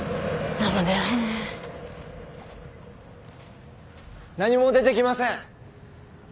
何も出てきません。